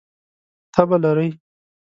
تبه لرئ؟